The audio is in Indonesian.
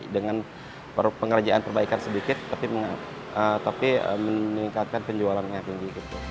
dengan pengerjaan perbaikan sedikit tapi meningkatkan penjualannya tinggi